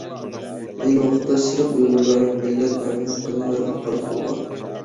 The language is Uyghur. ئەينى ۋاقىتتا سېرىق ئۇيغۇرلارنىڭ مىللەت نامى ھەققىدە ھەر خىل قاراش بولغان.